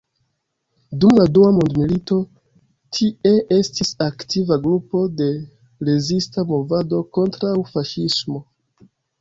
Dum dua mondmilito tie estis aktiva grupo de rezista movado kontraŭ faŝismo.